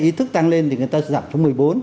ý thức tăng lên thì người ta sẽ giảm cho một mươi bốn